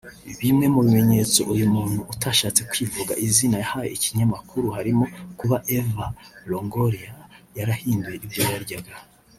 Bimwe mu bimenyetso uyu muntu utashatse kwivuga izina yahaye iki kinyamakuru harimo kuba Eva Longoria yarahinduye ibyo yaryaga